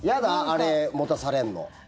あれ持たされるの。